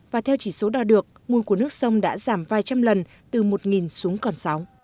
và theo chỉ số đo được mùi của nước sông đã giảm vài trăm lần từ một xuống còn sáu